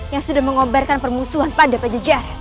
yang sudah mengobarkan permusuhan pada penjejah